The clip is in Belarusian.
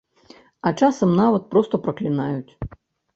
А часам нават проста праклінаюць.